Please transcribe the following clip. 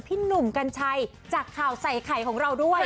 พี่หนุ่มกัญชัยจากข่าวใส่ไข่ของเราด้วย